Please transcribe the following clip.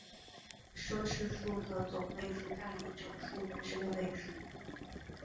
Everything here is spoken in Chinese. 奢侈数的总位数大于整数本身的位数。